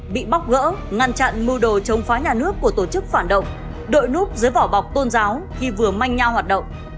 bị bóc gỡ ngăn chặn mưu đồ chống phá nhà nước của tổ chức phản động đội núp dưới vỏ bọc tôn giáo khi vừa manh nhao hoạt động